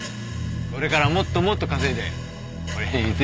これからもっともっと稼いで俺に貢いでくれよ。